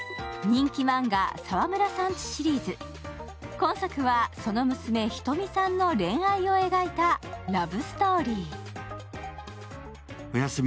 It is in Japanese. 今作はその娘、ヒトミさんの恋愛を描いたラブストーリー。